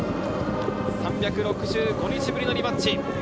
３６５日ぶりのリマッチ。